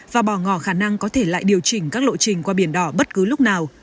và bỏ ngỏ khả năng có thể lại điều chỉnh các lộ trình qua biển đỏ bất cứ lúc nào